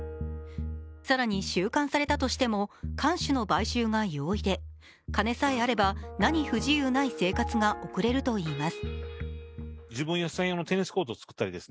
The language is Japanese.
更に、収監されたとしても看守の買収が容易で金さえあれば何不自由ない生活が送れるといいます。